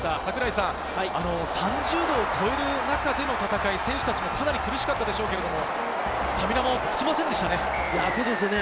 ３０度を超える中での戦い、選手たちもかなり苦しかったでしょうけれども、スタミナもつきませんでしたね。